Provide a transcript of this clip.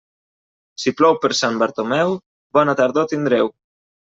Si plou per Sant Bartomeu, bona tardor tindreu.